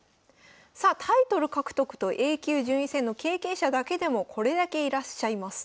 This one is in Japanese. さあタイトル獲得とＡ級順位戦の経験者だけでもこれだけいらっしゃいます。